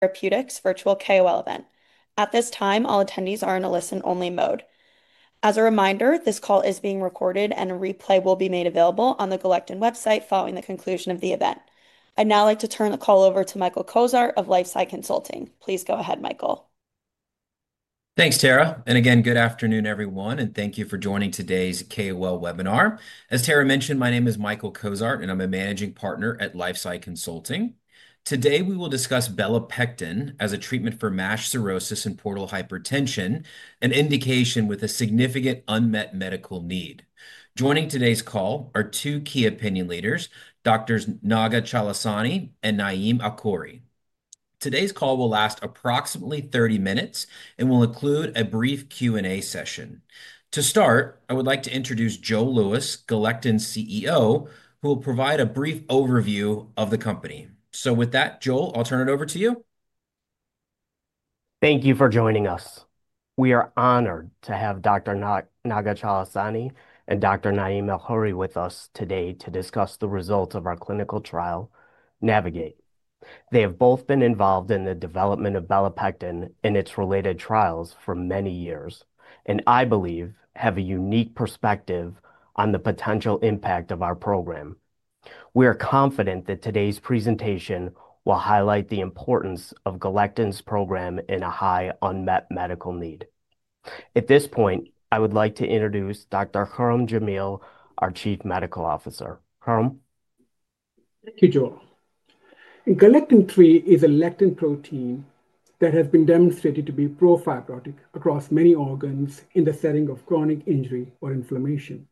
Therapeutics Virtual KOL Event. At this time, all attendees are in a listen-only mode. As a reminder, this call is being recorded, and a replay will be made available on the Galectin website following the conclusion of the event. I'd now like to turn the call over to Michael Cozart of LifeSci Consulting. Please go ahead, Michael. Thanks, Tara. Again, good afternoon, everyone, and thank you for joining today's KOL webinar. As Tara mentioned, my name is Michael Cozart, and I'm a Managing Partner at LifeSci Consulting. Today, we will discuss belapectin as a treatment for MASH cirrhosis and portal hypertension, an indication with a significant unmet medical need. Joining today's call are two key opinion leaders, Doctors Naga Chalasani and Naim Alkhouri. Today's call will last approximately 30 minutes and will include a brief Q&A session. To start, I would like to introduce Joel Lewis, Galectin CEO, who will provide a brief overview of the company. With that, Joel, I'll turn it over to you. Thank you for joining us. We are honored to have Dr. Naga Chalasani and Dr. Naim Alkhouri with us today to discuss the results of our clinical trial, Navigate. They have both been involved in the development of belapectin and its related trials for many years, and I believe have a unique perspective on the potential impact of our program. We are confident that today's presentation will highlight the importance of Galectin's program in a high unmet medical need. At this point, I would like to introduce Dr. Khurram Jamil, our Chief Medical Officer. Khurram. Thank you, Joel. Galectin-3 is a lectin protein that has been demonstrated to be pro-fibrotic across many organs in the setting of chronic injury or inflammation.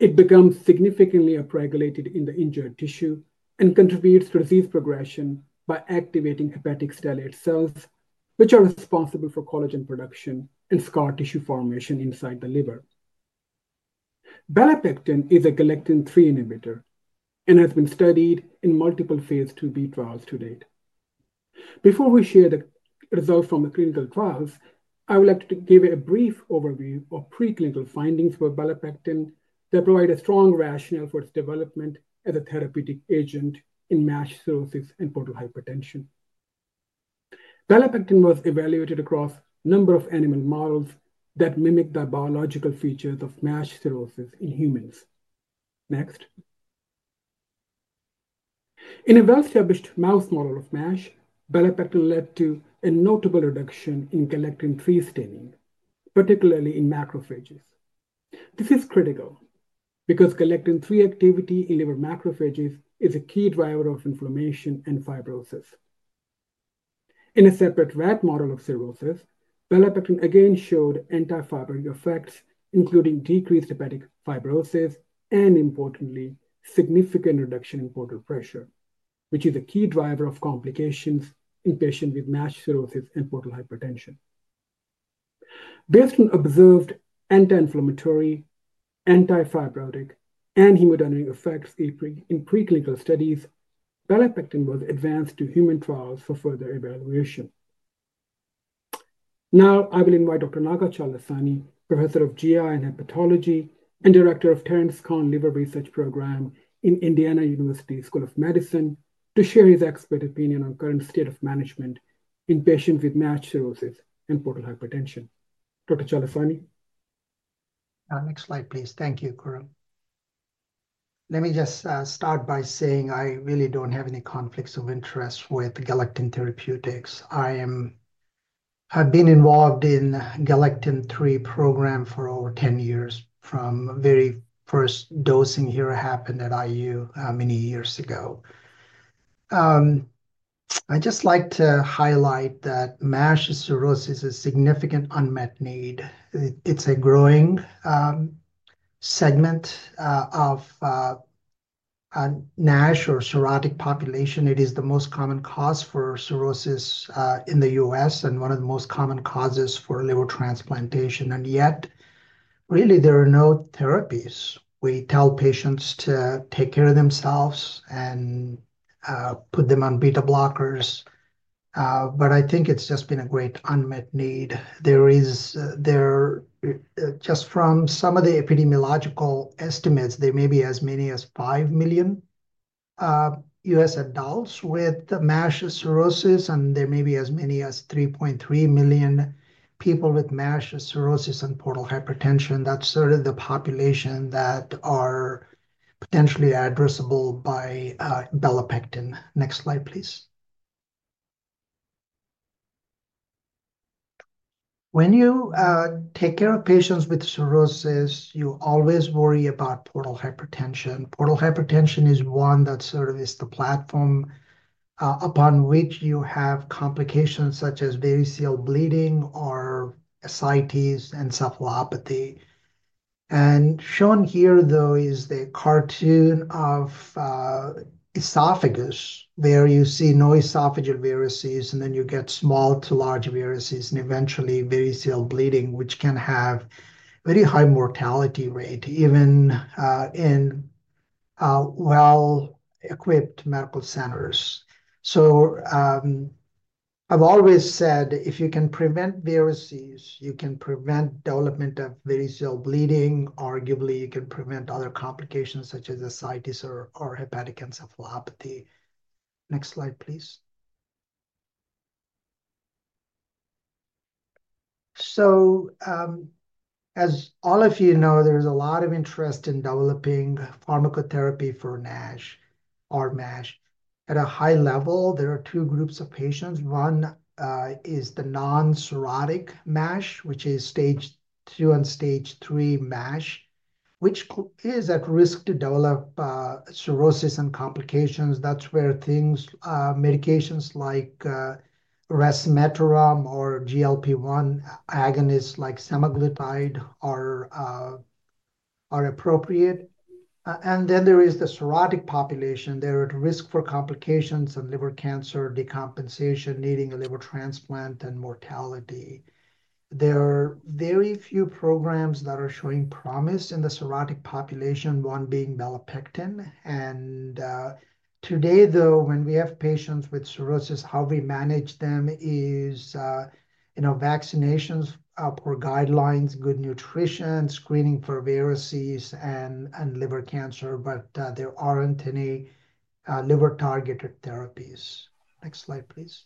It becomes significantly upregulated in the injured tissue and contributes to disease progression by activating hepatic stellate cells, which are responsible for collagen production and scar tissue formation inside the liver. Belapectin is a Galectin-3 inhibitor and has been studied in multiple phase IIb trials to date. Before we share the results from the clinical trials, I would like to give a brief overview of preclinical findings for belapectin that provide a strong rationale for its development as a therapeutic agent in MASH cirrhosis and portal hypertension. Belapectin was evaluated across a number of animal models that mimic the biological features of MASH cirrhosis in humans. Next. In a well-established mouse model of MASH, belapectin led to a notable reduction in Galectin-3 staining, particularly in macrophages. This is critical because Galectin-3 activity in liver macrophages is a key driver of inflammation and fibrosis. In a separate rat model of cirrhosis, belapectin again showed anti-fibrotic effects, including decreased hepatic fibrosis and, importantly, significant reduction in portal pressure, which is a key driver of complications in patients with MASH cirrhosis and portal hypertension. Based on observed anti-inflammatory, anti-fibrotic, and hemodynamic effects in preclinical studies, belapectin was advanced to human trials for further evaluation. Now, I will invite Dr. Naga Chalasani, Professor of GI and Hepatology and Director of Terence Kahn Liver Research Program in Indiana University School of Medicine, to share his expert opinion on the current state of management in patients with MASH cirrhosis and portal hypertension. Dr. Chalasani? Next slide, please. Thank you, Khurram. Let me just start by saying I really don't have any conflicts of interest with Galectin Therapeutics. I have been involved in the Galectin-3 program for over 10 years from the very first dosing here happened at IU many years ago. I'd just like to highlight that MASH cirrhosis is a significant unmet need. It's a growing segment of the MASH or cirrhotic population. It is the most common cause for cirrhosis in the U.S. and one of the most common causes for liver transplantation. Yet, really, there are no therapies. We tell patients to take care of themselves and put them on beta blockers. I think it's just been a great unmet need. There is, just from some of the epidemiological estimates, there may be as many as 5 million U.S. adults with MASH cirrhosis, and there may be as many as 3.3 million people with MASH cirrhosis and portal hypertension. That is sort of the population that are potentially addressable by belapectin. Next slide, please. When you take care of patients with cirrhosis, you always worry about portal hypertension. Portal hypertension is one that sort of is the platform upon which you have complications such as variceal bleeding or ascites and encephalopathy. Shown here, though, is the cartoon of esophagus where you see no esophageal varices, and then you get small to large varices and eventually variceal bleeding, which can have a very high mortality rate even in well-equipped medical centers. I have always said, if you can prevent varices, you can prevent the development of variceal bleeding. Arguably, you can prevent other complications such as ascites or hepatic encephalopathy. Next slide, please. As all of you know, there is a lot of interest in developing pharmacotherapy for NASH or MASH at a high level. There are two groups of patients. One is the non-cirrhotic MASH, which is stage two and stage three MASH, which is at risk to develop cirrhosis and complications. That is where medications like resmetirom or GLP-1 agonists like semaglutide are appropriate. There is the cirrhotic population. They are at risk for complications and liver cancer, decompensation, needing a liver transplant, and mortality. There are very few programs that are showing promise in the cirrhotic population, one being belapectin. Today, though, when we have patients with cirrhosis, how we manage them is vaccinations per guidelines, good nutrition, screening for varices, and liver cancer, but there are not any liver-targeted therapies. Next slide, please.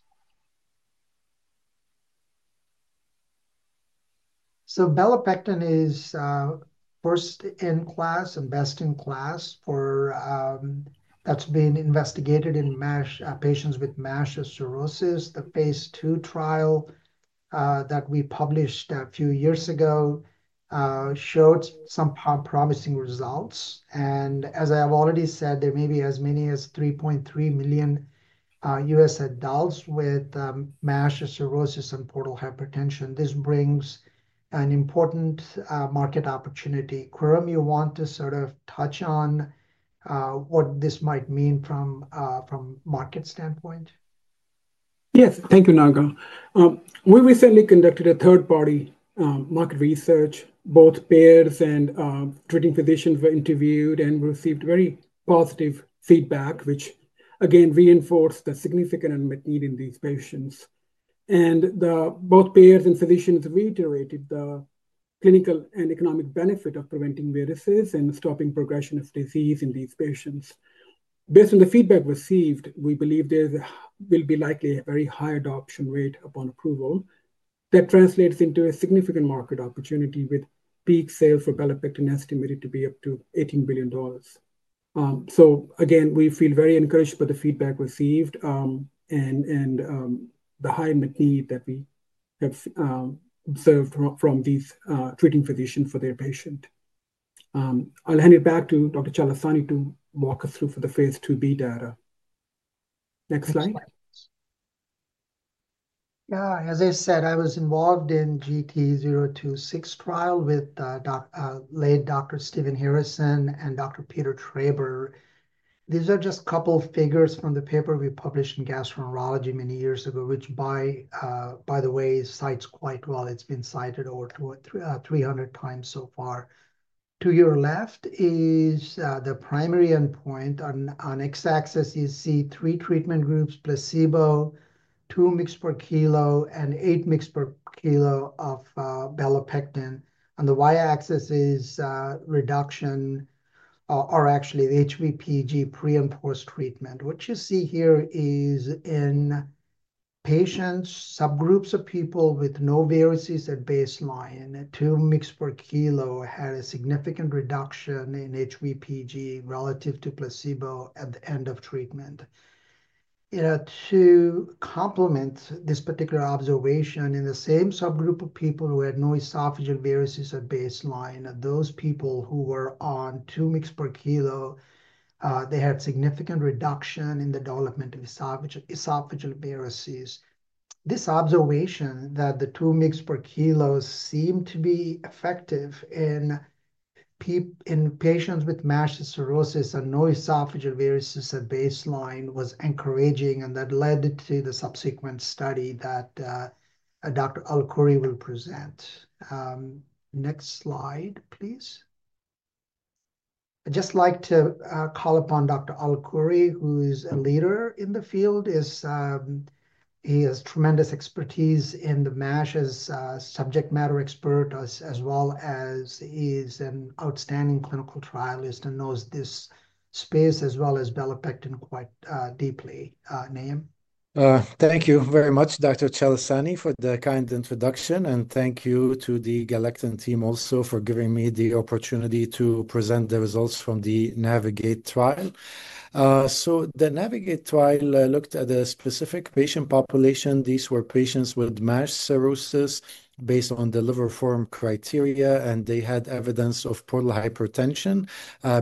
Belapectin is first in class and best in class for that's been investigated in patients with MASH cirrhosis. The phase II trial that we published a few years ago showed some promising results. As I have already said, there may be as many as 3.3 million U.S. adults with MASH cirrhosis and portal hypertension. This brings an important market opportunity. Khurram, you want to sort of touch on what this might mean from a market standpoint? Yes. Thank you, Naga. We recently conducted a third-party market research. Both payers and treating physicians were interviewed and received very positive feedback, which, again, reinforced the significant unmet need in these patients. Both payers and physicians reiterated the clinical and economic benefit of preventing varices and stopping progression of disease in these patients. Based on the feedback received, we believe there will be likely a very high adoption rate upon approval that translates into a significant market opportunity with peak sales for belapectin estimated to be up to $18 billion. We feel very encouraged by the feedback received and the high unmet need that we have observed from these treating physicians for their patients. I'll hand it back to Dr. Chalasani to walk us through the phase IIb data. Next slide. Yeah. As I said, I was involved in the GT-026 trial with late Dr. Stephen Harrison and Dr. Peter Traber. These are just a couple of figures from the paper we published in Gastroenterology many years ago, which, by the way, cites quite well. It has been cited over 300x so far. To your left is the primary endpoint. On the x-axis, you see three treatment groups: placebo, 2 mg per kg, and 8 mg per kgof belapectin. On the y-axis is reduction, or actually HVPG pre- and post-treatment. What you see here is in patients, subgroups of people with no varices at baseline, 2 mg per kg had a significant reduction in HVPG relative to placebo at the end of treatment. It had to complement this particular observation in the same subgroup of people who had no esophageal varices at baseline. Those people who were on 2 mg per kg, they had significant reduction in the development of esophageal varices. This observation that the 2 mg per kilo seemed to be effective in patients with MASH cirrhosis and no esophageal varices at baseline was encouraging, and that led to the subsequent study that Dr. Alkhouri will present. Next slide, please. I'd just like to call upon Dr. Alkhouri, who is a leader in the field. He has tremendous expertise in the MASH as a subject matter expert, as well as he is an outstanding clinical trialist and knows this space as well as belapectin quite deeply. Naim? Thank you very much, Dr. Chalasani, for the kind introduction. Thank you to the Galectin team also for giving me the opportunity to present the results from the NAVIGATE trial. The NAVIGATE trial looked at a specific patient population. These were patients with MASH cirrhosis based on the liver form criteria, and they had evidence of portal hypertension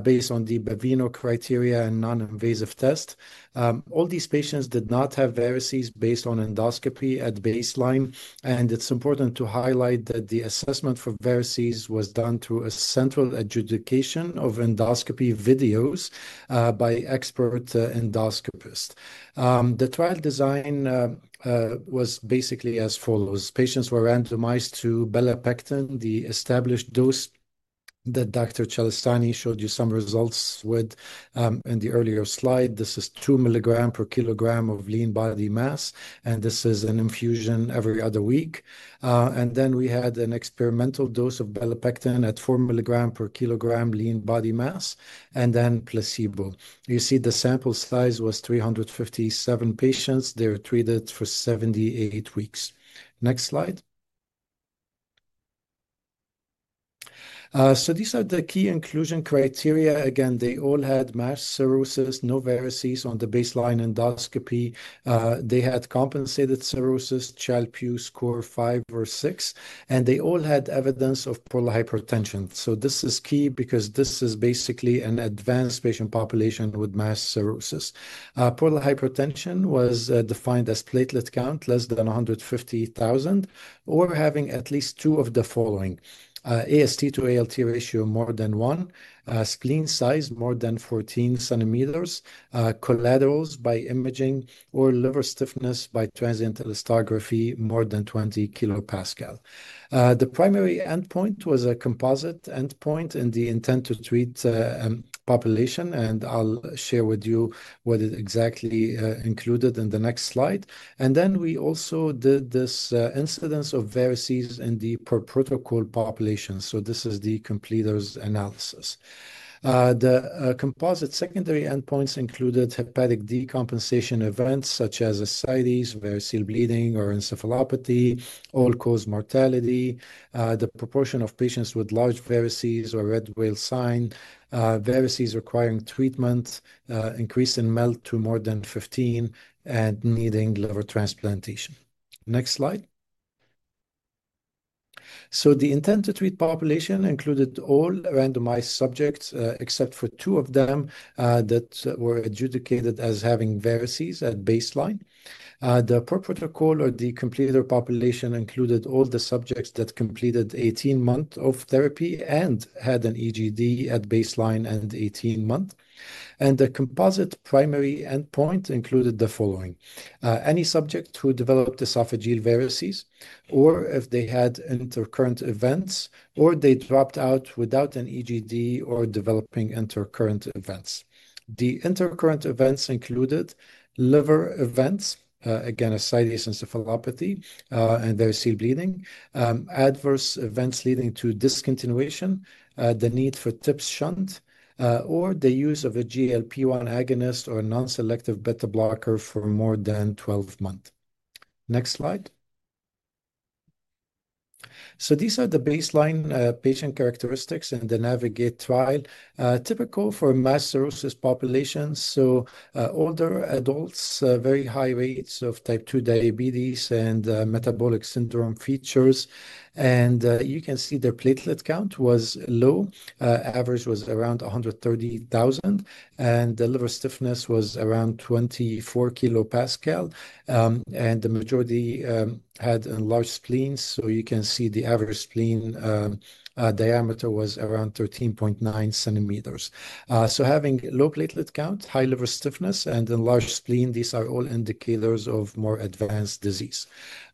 based on the Baveno criteria and non-invasive test. All these patients did not have varices based on endoscopy at baseline. It is important to highlight that the assessment for varices was done through a central adjudication of endoscopy videos by expert endoscopists. The trial design was basically as follows. Patients were randomized to belapectin, the established dose that Dr. Chalasani showed you some results with in the earlier slide. This is 2 mg per kg of lean body mass, and this is an infusion every other week. We had an experimental dose of belapectin at 4 mg per kg lean body mass, and then placebo. You see the sample size was 357 patients. They were treated for 78 weeks. Next slide. These are the key inclusion criteria. Again, they all had MASH cirrhosis, no varices on the baseline endoscopy. They had compensated cirrhosis, Child-Pugh score five or six, and they all had evidence of portal hypertension. This is key because this is basically an advanced patient population with MASH cirrhosis. Portal hypertension was defined as platelet count less than 150,000 or having at least two of the following: AST-ALT ratio more than one, spleen size more than 14 cm, collaterals by imaging, or liver stiffness by transient elastography more than 20 kPa. The primary endpoint was a composite endpoint in the intent to treat population, and I'll share with you what it exactly included in the next slide. We also did this incidence of varices in the per protocol population. This is the completers analysis. The composite secondary endpoints included hepatic decompensation events such as ascites, variceal bleeding, or encephalopathy, all-cause mortality, the proportion of patients with large varices or red whale sign, varices requiring treatment, increase in MELD to more than 15, and needing liver transplantation. Next slide. The intent to treat population included all randomized subjects except for two of them that were adjudicated as having varices at baseline. The per protocol or the completer population included all the subjects that completed 18 months of therapy and had an EGD at baseline and 18 months. The composite primary endpoint included the following: any subject who developed esophageal varices or if they had intercurrent events or they dropped out without an EGD or developing intercurrent events. The intercurrent events included liver events, again, ascites, encephalopathy, and variceal bleeding, adverse events leading to discontinuation, the need for TIPS shunt, or the use of a GLP-1 agonist or non-selective beta blocker for more than 12 months. Next slide. These are the baseline patient characteristics in the NAVIGATE trial, typical for MASH cirrhosis populations. Older adults, very high rates of type two diabetes and metabolic syndrome features. You can see their platelet count was low. Average was around 130,000, and the liver stiffness was around 24 kPa. The majority had enlarged spleens. You can see the average spleen diameter was around 13.9 cm. Having low platelet count, high liver stiffness, and enlarged spleen, these are all indicators of more advanced disease.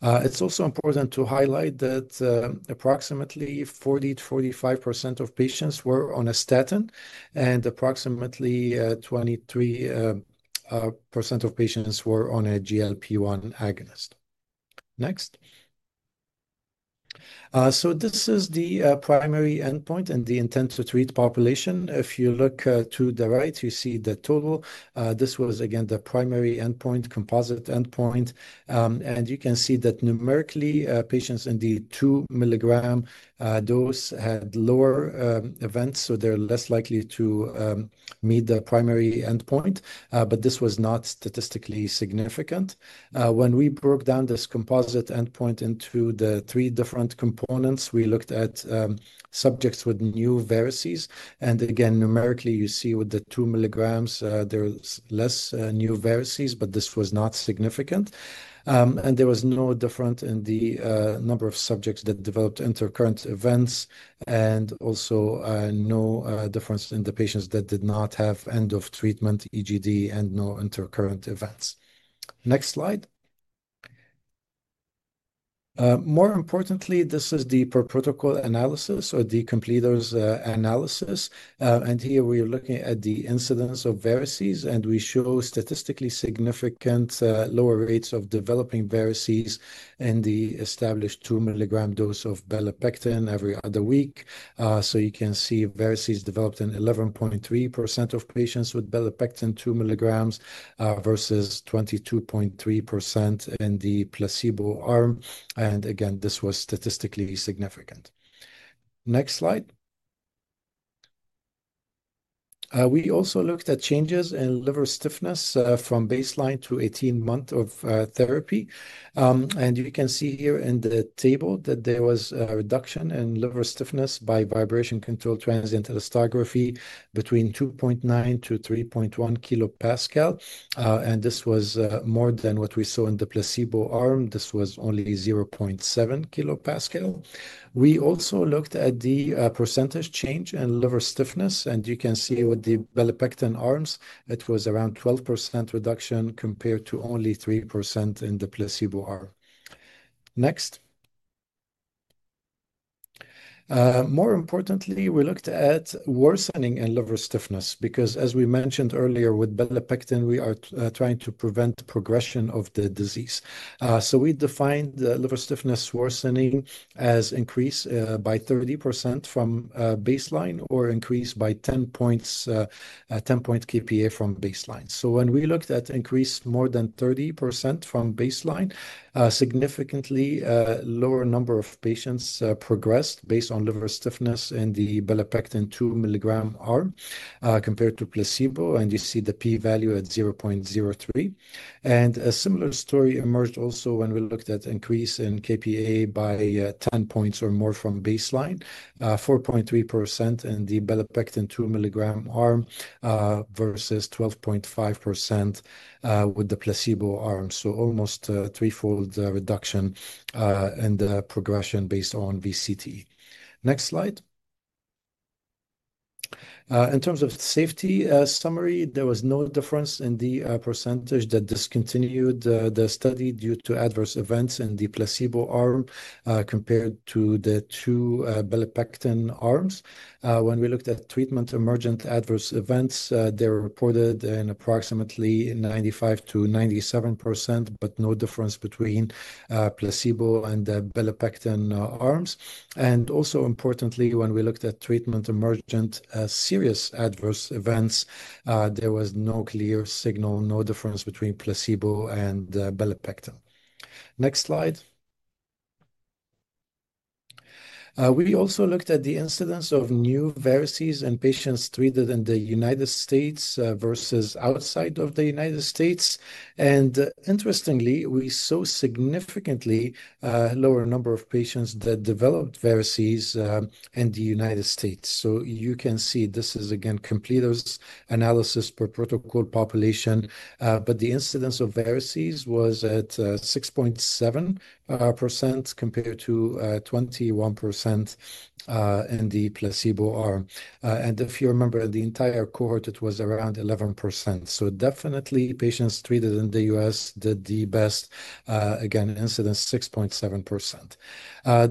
It's also important to highlight that approximately 40%-45% of patients were on a statin, and approximately 23% of patients were on a GLP-1 agonist. Next. This is the primary endpoint in the intent to treat population. If you look to the right, you see the total. This was, again, the primary endpoint, composite endpoint. You can see that numerically, patients in the 2 mg dose had lower events, so they're less likely to meet the primary endpoint, but this was not statistically significant. When we broke down this composite endpoint into the three different components, we looked at subjects with new varices. Again, numerically, you see with the 2 mg, there's less new varices, but this was not significant. There was no difference in the number of subjects that developed intercurrent events and also no difference in the patients that did not have end-of-treatment EGD and no intercurrent events. Next slide. More importantly, this is the per protocol analysis or the completers analysis. Here we are looking at the incidence of varices, and we show statistically significant lower rates of developing varices in the established 2 mg dose of belapectin every other week. You can see varices developed in 11.3% of patients with belapectin 2 mg versus 22.3% in the placebo arm. Again, this was statistically significant. Next slide. We also looked at changes in liver stiffness from baseline to 18 months of therapy. You can see here in the table that there was a reduction in liver stiffness by vibration-controlled transient elastography between 2.9 kPa-3.1 kPa. This was more than what we saw in the placebo arm. This was only 0.7 kPa. We also looked at the percentage change in liver stiffness, and you can see with the belapectin arms, it was around 12% reduction compared to only 3% in the placebo arm. Next. More importantly, we looked at worsening in liver stiffness because, as we mentioned earlier, with belapectin, we are trying to prevent progression of the disease. We defined liver stiffness worsening as increase by 30% from baseline or increase by 10 points kPa from baseline. When we looked at increase more than 30% from baseline, significantly lower number of patients progressed based on liver stiffness in the belapectin 2 mg arm compared to placebo. You see the p-value at 0.03. A similar story emerged also when we looked at increase in lPa by 10 points or more from baseline, 4.3% in the belapectin 2 mg arm versus 12.5% with the placebo arm. Almost three-fold reduction in the progression based on VCTE. Next slide. In terms of safety summary, there was no difference in the percentage that discontinued the study due to adverse events in the placebo arm compared to the two belapectin arms. When we looked at treatment emergent adverse events, they were reported in approximately 95%-97%, but no difference between placebo and belapectin arms. Also importantly, when we looked at treatment emergent serious adverse events, there was no clear signal, no difference between placebo and belapectin. Next slide. We also looked at the incidence of new varices in patients treated in the United States versus outside of the United States. Interestingly, we saw significantly lower number of patients that developed varices in the United States. You can see this is, again, completers analysis per protocol population, but the incidence of varices was at 6.7% compared to 21% in the placebo arm. If you remember, in the entire cohort, it was around 11%. Definitely patients treated in the U.S. did the best. Again, incidence 6.7%.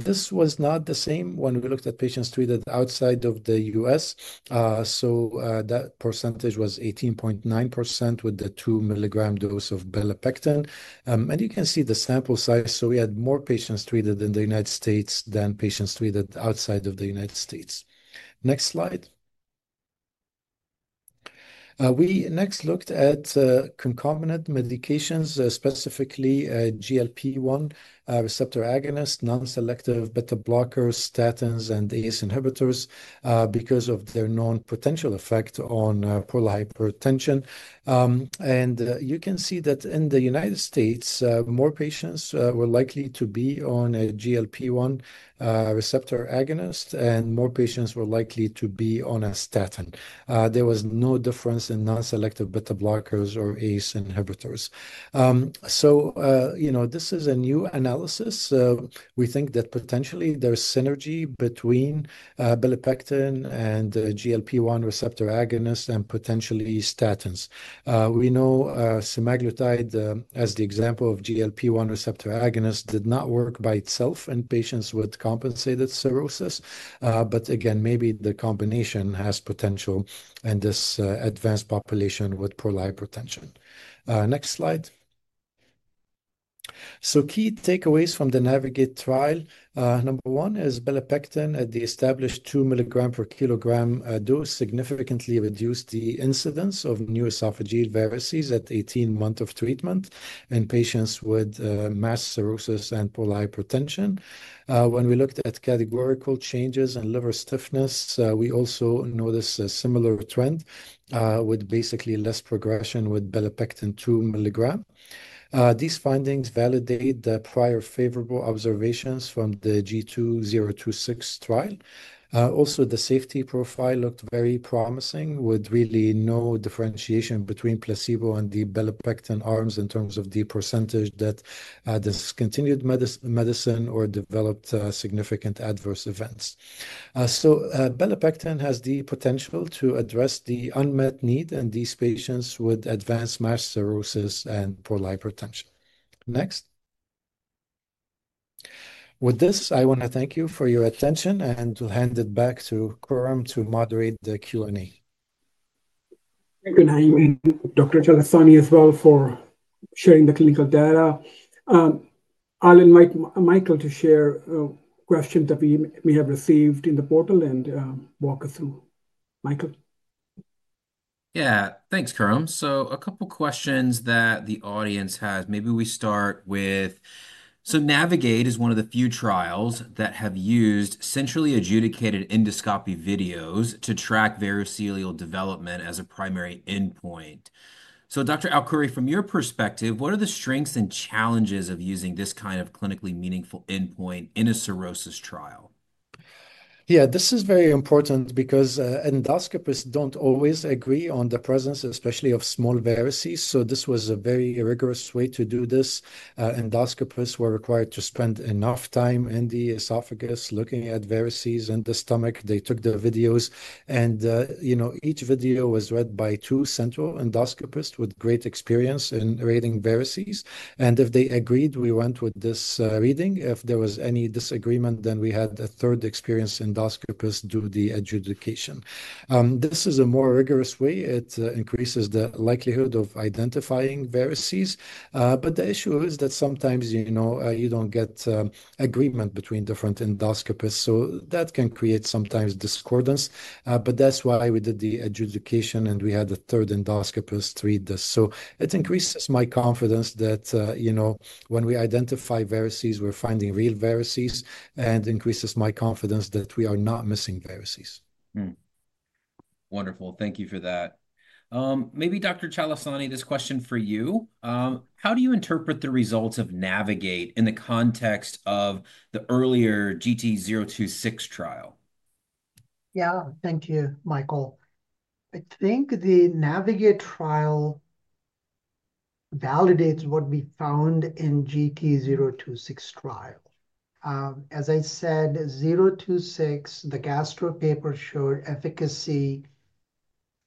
This was not the same when we looked at patients treated outside of the U.S. That percentage was 18.9% with the 2 mg dose of belapectin. You can see the sample size. We had more patients treated in the United States than patients treated outside of the United States. Next slide. We next looked at concomitant medications, specifically GLP-1 receptor agonist, non-selective beta blockers, statins, and ACE inhibitors because of their known potential effect on portal hypertension. You can see that in the United States, more patients were likely to be on a GLP-1 receptor agonist, and more patients were likely to be on a statin. There was no difference in non-selective beta blockers or ACE inhibitors. This is a new analysis. We think that potentially there is synergy between belapectin and GLP-1 receptor agonist and potentially statins. We know semaglutide as the example of GLP-1 receptor agonist did not work by itself in patients with compensated cirrhosis. Again, maybe the combination has potential in this advanced population with portal hypertension. Next slide. Key takeaways from the NAVIGATE trial. Number one is belapectin at the established 2 mg per kg dose significantly reduced the incidence of new esophageal varices at 18 months of treatment in patients with MASH cirrhosis and portal hypertension. When we looked at categorical changes in liver stiffness, we also noticed a similar trend with basically less progression with belapectin 2 mg. These findings validate the prior favorable observations from the GT-026 trial. Also, the safety profile looked very promising with really no differentiation between placebo and the belapectin arms in terms of the percentage that discontinued medicine or developed significant adverse events. So belapectin has the potential to address the unmet need in these patients with advanced MASH cirrhosis and portal hypertension. Next. With this, I want to thank you for your attention and to hand it back to Khurram to moderate the Q&A. Thank you, Naim, and Dr. Chalasani as well for sharing the clinical data. I'll invite Michael to share questions that we may have received in the portal and walk us through. Michael. Yeah, thanks, Khurram. So a couple of questions that the audience has. Maybe we start with, so NAVIGATE is one of the few trials that have used centrally adjudicated endoscopy videos to track variceal development as a primary endpoint. So Dr. Alkhouri, from your perspective, what are the strengths and challenges of using this kind of clinically meaningful endpoint in a cirrhosis trial? Yeah, this is very important because endoscopists do not always agree on the presence, especially of small varices. This was a very rigorous way to do this. Endoscopists were required to spend enough time in the esophagus looking at varices in the stomach. They took the videos, and each video was read by two central endoscopists with great experience in reading varices. If they agreed, we went with this reading. If there was any disagreement, then we had a third experienced endoscopist do the adjudication. This is a more rigorous way. It increases the likelihood of identifying varices. The issue is that sometimes you do not get agreement between different endoscopists. That can create sometimes discordance. That is why we did the adjudication, and we had a third endoscopist read this. It increases my confidence that when we identify varices, we are finding real varices and increases my confidence that we are not missing varices. Wonderful. Thank you for that. Maybe Dr. Chalasani, this question for you. How do you interpret the results of NAVIGATE in the context of the earlier GT-026 trial? Yeah, thank you, Michael. I think the NAVIGATE trial validates what we found in GT-026 trial. As I said, 026, the Gastro paper showed efficacy.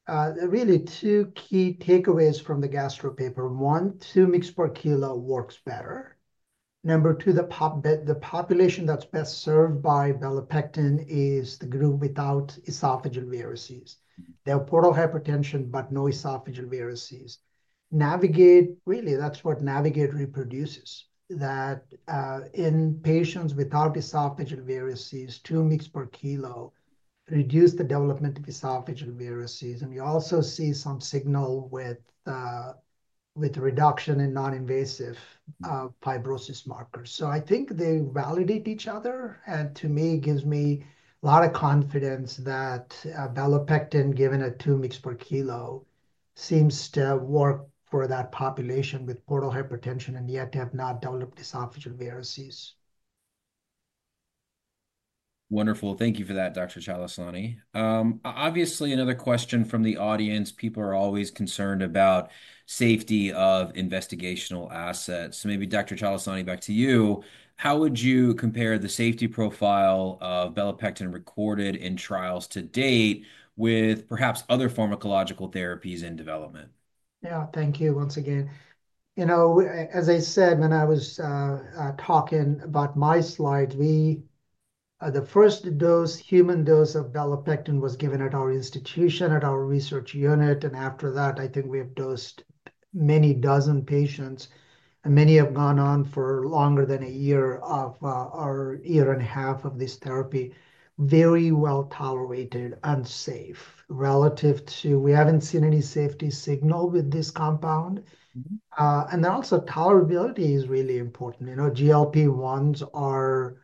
Really two key takeaways from the gastro paper. One, two mg per kg works better. Number two, the population that is best served by belapectin is the group without esophageal varices. They have portal hypertension, but no esophageal varices. Navigate, really, that's what NAVIGATE reproduces, that in patients without esophageal varices, 2 mg per kg reduced the development of esophageal varices. You also see some signal with reduction in non-invasive fibrosis markers. I think they validate each other. To me, it gives me a lot of confidence that belapectin, given at 2 mg per kg, seems to work for that population with portal hypertension and yet have not developed esophageal varices. Wonderful. Thank you for that, Dr. Chalasani. Obviously, another question from the audience. People are always concerned about safety of investigational assets. Maybe, Dr. Chalasani, back to you. How would you compare the safety profile of belapectin recorded in trials to date with perhaps other pharmacological therapies in development? Yeah, thank you once again. As I said, when I was talking about my slides, the first dose, human dose of belapectin was given at our institution, at our research unit. After that, I think we have dosed many dozen patients, and many have gone on for longer than a year or a year and a half of this therapy, very well tolerated and safe relative to we have not seen any safety signal with this compound. Also, tolerability is really important. GLP-1s are,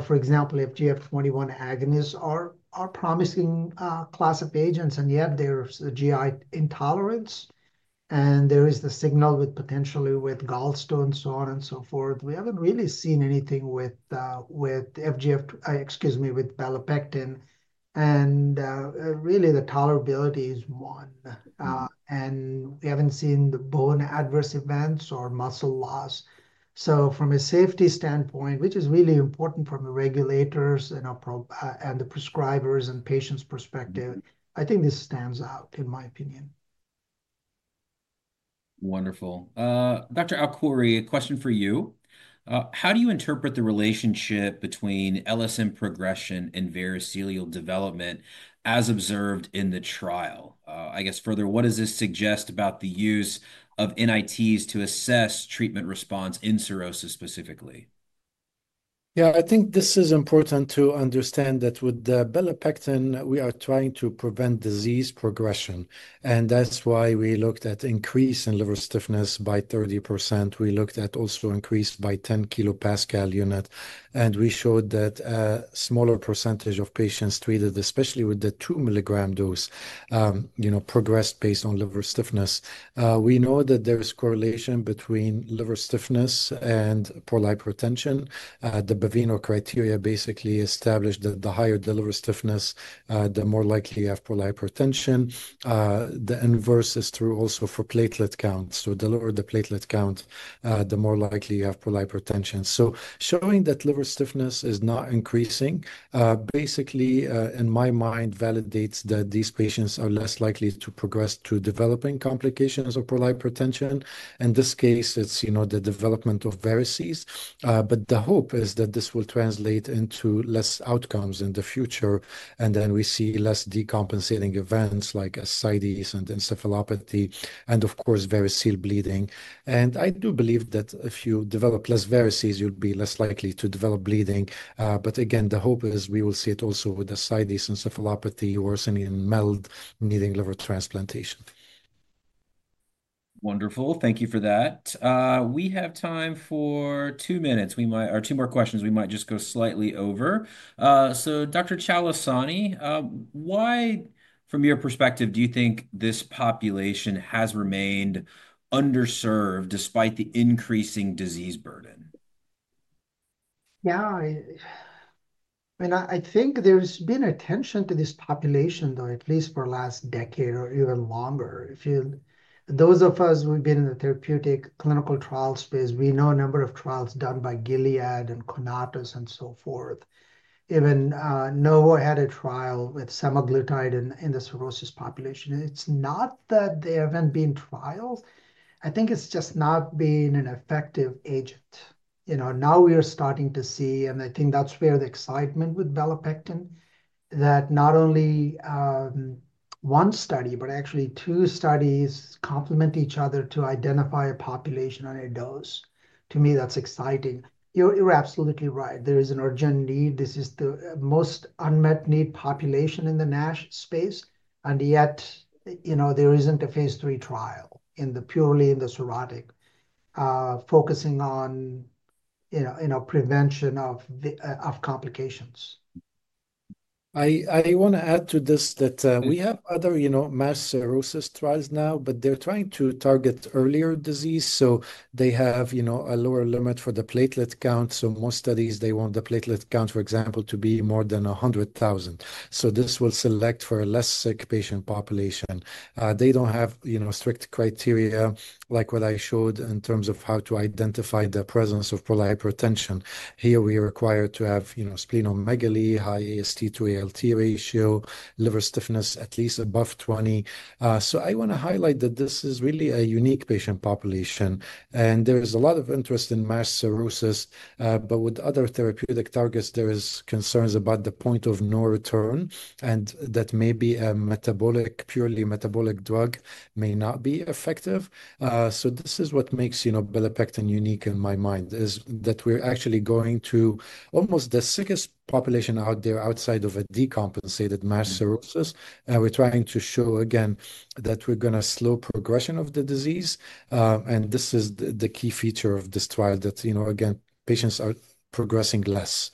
for example, FGF21 agonists are a promising class of agents, and yet there is GI intolerance. There is the signal with potentially with gallstones, so on and so forth. We have not really seen anything with FGF, excuse me, with belapectin. Really, the tolerability is one. We have not seen the bone adverse events or muscle loss. From a safety standpoint, which is really important from the regulators and the prescribers and patients' perspective, I think this stands out, in my opinion. Wonderful. Dr. Alkhouri, a question for you. How do you interpret the relationship between LSM progression and variceal development as observed in the trial? I guess further, what does this suggest about the use of NITs to assess treatment response in cirrhosis specifically? Yeah, I think this is important to understand that with the belapectin, we are trying to prevent disease progression. That is why we looked at increase in liver stiffness by 30%. We looked at also increased by 10 kPa unit. We showed that a smaller percentage of patients treated, especially with the 2 mg dose, progressed based on liver stiffness. We know that there is correlation between liver stiffness and portal hypertension. The Baveno criteria basically established that the higher the liver stiffness, the more likely you have portal hypertension. The inverse is true also for platelet count. The lower the platelet count, the more likely you have portal hypertension. Showing that liver stiffness is not increasing, basically, in my mind, validates that these patients are less likely to progress to developing complications of portal hypertension. In this case, it is the development of varices. The hope is that this will translate into less outcomes in the future. We see less decompensating events like ascites and encephalopathy and, of course, variceal bleeding. I do believe that if you develop less varices, you will be less likely to develop bleeding. The hope is we will see it also with ascites, encephalopathy, worsening in MELD needing liver transplantation. Wonderful. Thank you for that. We have time for two minutes. We might, or two more questions, we might just go slightly over. Dr. Chalasani, why, from your perspective, do you think this population has remained underserved despite the increasing disease burden? Yeah. I mean, I think there's been attention to this population, though, at least for the last decade or even longer. If you, those of us who have been in the therapeutic clinical trial space, we know a number of trials done by Gilead and Conatus and so forth. Even Novo had a trial with semaglutide in the cirrhosis population. It's not that there haven't been trials. I think it's just not been an effective agent. Now we are starting to see, and I think that's where the excitement with belapectin, that not only one study, but actually two studies complement each other to identify a population on a dose. To me, that's exciting. You're absolutely right. There is an urgent need. This is the most unmet need population in the MASH space. Yet, there isn't a phase III trial purely in the cirrhotic, focusing on prevention of complications. I want to add to this that we have other MASH cirrhosis trials now, but they're trying to target earlier disease. They have a lower limit for the platelet count. Most studies, they want the platelet count, for example, to be more than 100,000. This will select for a less sick patient population. They don't have strict criteria like what I showed in terms of how to identify the presence of portal hypertension. Here, we are required to have splenomegaly, high AST-ALT ratio, liver stiffness at least above 20. I want to highlight that this is really a unique patient population. There is a lot of interest in MASH cirrhosis. With other therapeutic targets, there are concerns about the point of no return, and that maybe a purely metabolic drug may not be effective. This is what makes belapectin unique in my mind, is that we're actually going to almost the sickest population out there outside of a decompensated MASH cirrhosis. We're trying to show, again, that we're going to slow progression of the disease. This is the key feature of this trial that, again, patients are progressing less.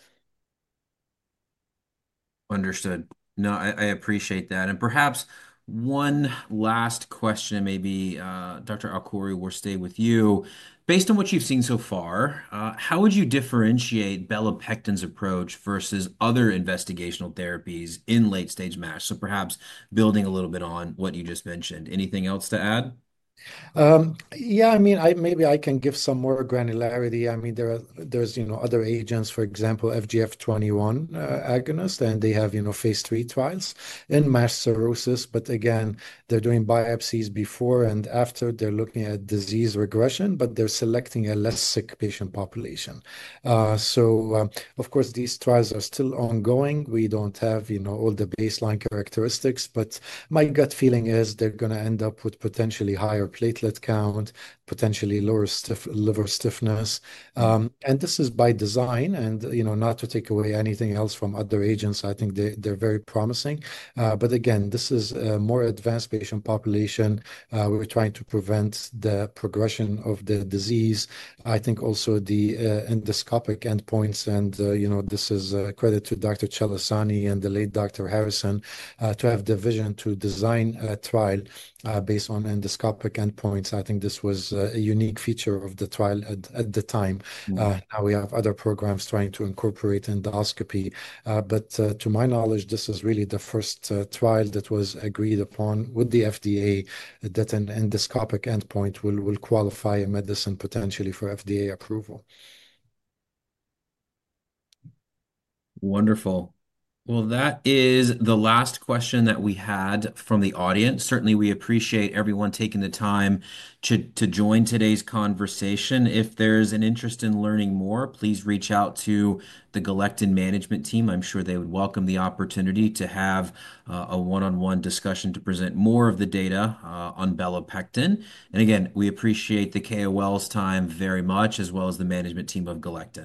Understood. No, I appreciate that. Perhaps one last question, maybe, Dr. Alkhouri, will stay with you. Based on what you've seen so far, how would you differentiate belapectin's approach versus other investigational therapies in late-stage MASH? Perhaps building a little bit on what you just mentioned. Anything else to add? Yeah, I mean, maybe I can give some more granularity. I mean, there are other agents, for example, FGF21 agonist, and they have phase III trials in MASH cirrhosis. Again, they're doing biopsies before and after. They're looking at disease regression, but they're selecting a less sick patient population. Of course, these trials are still ongoing. We do not have all the baseline characteristics, but my gut feeling is they're going to end up with potentially higher platelet count, potentially lower liver stiffness. This is by design, and not to take away anything else from other agents, I think they're very promising. Again, this is a more advanced patient population. We're trying to prevent the progression of the disease. I think also the endoscopic endpoints, and this is a credit to Dr. Chalasani and the late Dr. Harrison to have the vision to design a trial based on endoscopic endpoints. I think this was a unique feature of the trial at the time. Now we have other programs trying to incorporate endoscopy. To my knowledge, this is really the first trial that was agreed upon with the FDA that an endoscopic endpoint will qualify a medicine potentially for FDA approval. Wonderful. That is the last question that we had from the audience. Certainly, we appreciate everyone taking the time to join today's conversation. If there's an interest in learning more, please reach out to the Galectin Management Team. I'm sure they would welcome the opportunity to have a one-on-one discussion to present more of the data on belapectin. Again, we appreciate the KOL's time very much, as well as the management team of Galectin.